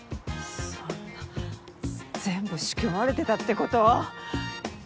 そんな全部仕組まれてたってこと？